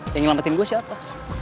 yang nyelamatin gue siapa